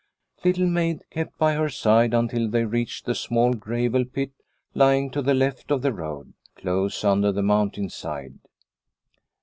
Little Maid kept by her side until they reached the small gravel pit lying to the left of the road, close under the mountain side.